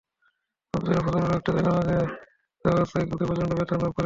খুব ভোরে ফজরের ওয়াক্তে জায়নামাজে সেজদারত অবস্থায় বুকে প্রচণ্ড ব্যথা অনুভব করেন।